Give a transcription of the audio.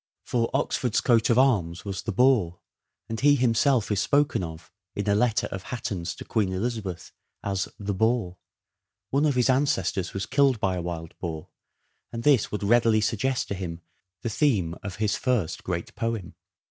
For Oxford's coat of arms was the boar, and he himself is spoken of, in a letter of Hatton's to Queen Elizabeth as " the boar." One of his ancestors was killed by a wild boar, and this would readily suggest to him the theme of his first great poem.